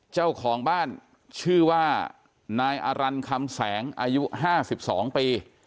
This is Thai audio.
เจ้าของบ้านชื่อว่านายอารันคำแสงอายุ๕๒ปี